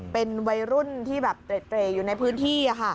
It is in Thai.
เป็นวัยรุ่นที่เปลี่ยดเปรย์อยู่ในพื้นที่